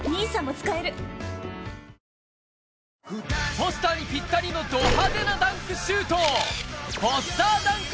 ポスターにピッタリのど派手なダンクシュート